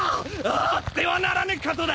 あってはならぬことだ！